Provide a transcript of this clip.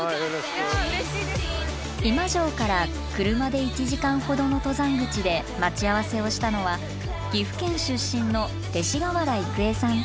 今庄から車で１時間ほどの登山口で待ち合わせをしたのは岐阜県出身の勅使川原郁恵さん。